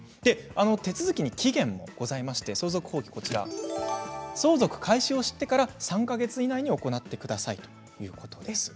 手続きに期限もございまして相続放棄は相続開始を知ってから３か月以内に行ってくださいということです。